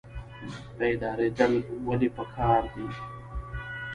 بیداریدل ولې پکار دي؟